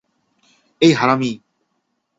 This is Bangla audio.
এই, হারামী!